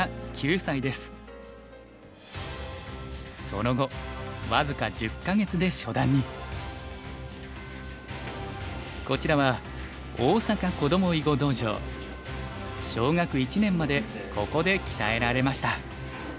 その後僅かこちらは小学１年までここで鍛えられました。